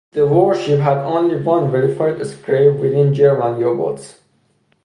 The warship had only one verified scrape with German U-boats.